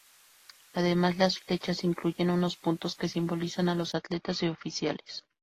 Además, las flechas incluyen unos puntos que simbolizan a los atletas y oficiales.